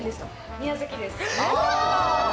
宮崎です。